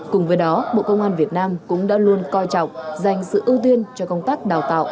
cùng với đó bộ công an việt nam cũng đã luôn coi trọng dành sự ưu tiên cho công tác đào tạo